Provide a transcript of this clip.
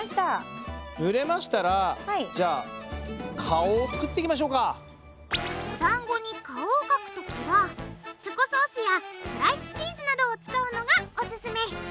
ぬれましたらじゃあおだんごに顔を描くときはチョコソースやスライスチーズなどを使うのがおすすめ！